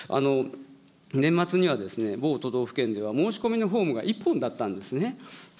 年末には某都道府県では、申し込みのフォームが１本だったんですね。